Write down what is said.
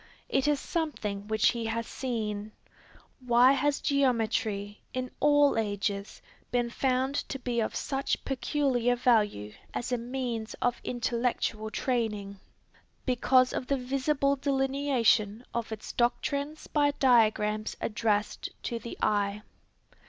It is something which he has seen. Why has geometry in all ages been found to be of such peculiar value as a means of intellectual training? Because of the visible delineation of its doctrines by diagrams addressed to the eye.